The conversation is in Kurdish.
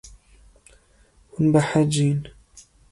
Hûn behecîn.